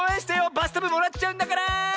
バスタブもらっちゃうんだから！